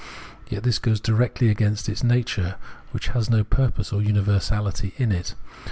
Yet this goes directly against its nature, which has no pur pose or universaHty in it.